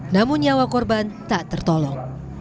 namun nyawa korban tak tertolong